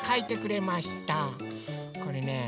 これねえ。